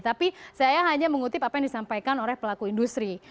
tapi saya hanya mengutip apa yang disampaikan oleh pelaku industri